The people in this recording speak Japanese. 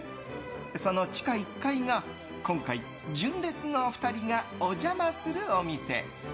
その地下１階が今回、純烈の２人がお邪魔するお店。